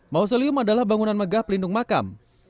mausolium adalah bangunan megah pelindung makam